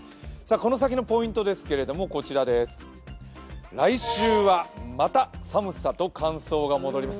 この先のポイントですけど、来週はまた寒さと乾燥が戻ります。